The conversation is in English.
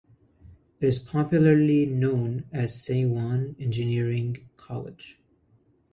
It is popularly known as Siwan Engineering College.